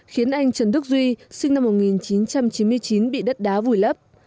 khiến anh trần đức duy sinh năm một nghìn chín trăm chín mươi chín bị đất đá vùi lấp